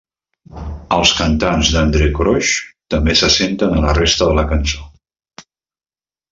Els cantants d'Andrae Crouch també se senten a la resta de la cançó.